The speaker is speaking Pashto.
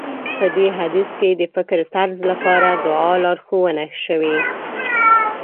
په دې حديث کې د فکرطرز لپاره دعا لارښوونه شوې.